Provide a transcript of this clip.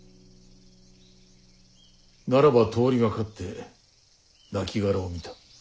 ならば通りがかって亡骸を見た。